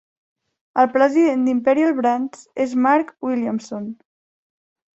El president d'Imperial Brands és Mark Williamson.